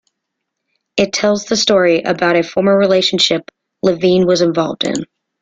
It tells the story about a former relationship Levine was involved in.